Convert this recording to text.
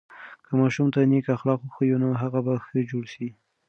که ماشوم ته نیک اخلاق وښیو، نو هغه به ښه جوړ سي.